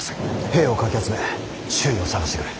兵をかき集め周囲を捜してくれ。